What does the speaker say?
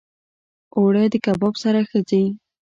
اوړه د کباب سره ښه ځي